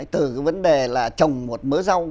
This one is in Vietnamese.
từ vấn đề là trồng một mớ rau